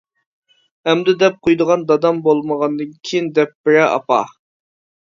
ئەمدى دەپ قويىدىغان دادام بولمىغاندىن كېيىن دەپ بېرە ئاپا.